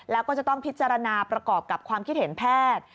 แล้วก็จะต้องพิจารณาประกอบกับความคิดเห็นแพทย์